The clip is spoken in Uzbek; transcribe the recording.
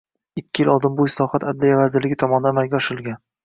ikki yil oldin bu islohot Adliya vazirligi tomonidan amalga oshirilgan